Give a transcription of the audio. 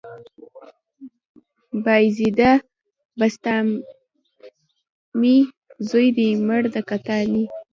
بايزيده بسطامي، زوى دې مړ د کتاني